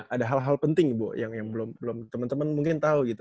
ada hal hal penting yang belum temen temen mungkin tau gitu